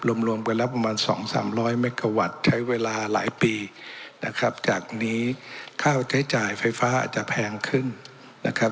รวมรวมกันแล้วประมาณสองสามร้อยเมกาวัตต์ใช้เวลาหลายปีนะครับจากนี้ค่าใช้จ่ายไฟฟ้าอาจจะแพงขึ้นนะครับ